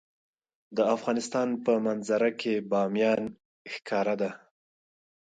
د افغانستان په منظره کې بامیان ښکاره ده.